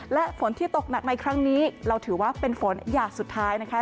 และฝนที่ตกหนักในครั้งนี้เราถือว่าเป็นฝนอย่างสุดท้ายนะคะ